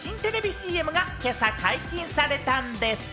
ＣＭが今朝解禁されたんでぃす。